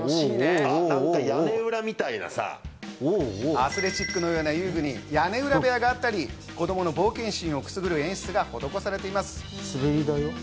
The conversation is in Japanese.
アスレチックのような遊具に屋根裏部屋があったり、子供の冒険心をくすぐる演出が施されています。